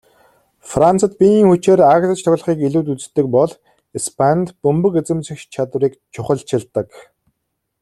Францад биеийн хүчээр ааглаж тоглохыг илүүд үздэг бол Испанид бөмбөг эзэмших чадварыг чухалчилдаг.